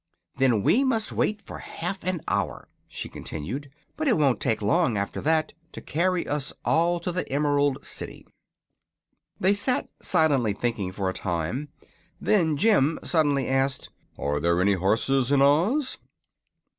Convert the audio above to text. "Then we must wait for half an hour," she continued; "but it won't take long, after that, to carry us all to the Emerald City." They sat silently thinking for a time. Then Jim suddenly asked: "Are there any horses in Oz?"